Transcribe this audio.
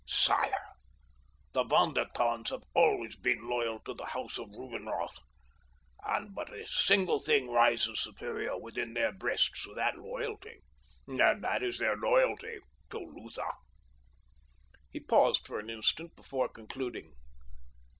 "Sire! the Von der Tanns have always been loyal to the house of Rubinroth. And but a single thing rises superior within their breasts to that loyalty, and that is their loyalty to Lutha." He paused for an instant before concluding.